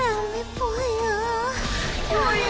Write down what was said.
ぽよ。